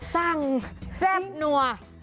สั่งแซ่บหนัว